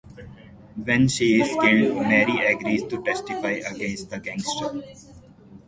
When she is killed, Mary agrees to testify against the gangster.